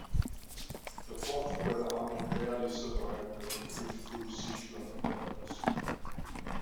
The Fourth Red Army barely survived the retreat through Sichuan Province.